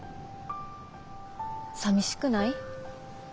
さみしくない？